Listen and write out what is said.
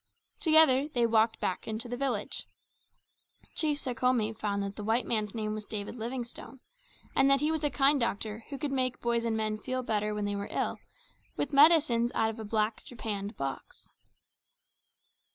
Together they walked back into the village. Chief Sekhome found that the white man's name was David Livingstone; and that he was a kind doctor who could make boys and men better when they were ill, with medicines out of a black japanned box.